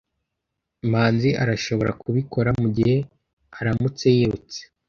Manzi arashobora kubikora mugihe aramutse yirutse.